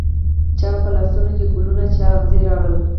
چا په لاسونوکې ګلونه، چااغزي راوړله